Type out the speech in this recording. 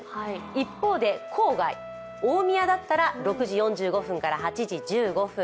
一方で郊外、大宮だったら６時４５分から８時１５分。